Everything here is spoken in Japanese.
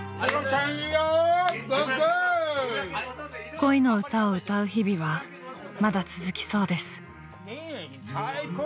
［恋の歌を歌う日々はまだ続きそうです］